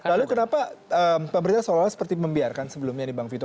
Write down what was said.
lalu kenapa pemerintah seolah olah seperti membiarkan sebelumnya nih bang vito